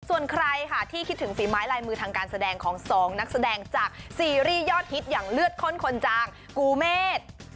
ส่วนใครค่ะที่คิดถึงฝีไม้ลายมือทางการแสดงของสองนักแสดงจากซีรีส์ยอดฮิตอย่างเลือดข้นคนจางกูเมษ